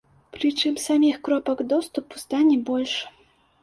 Прычым саміх кропак доступу стане больш.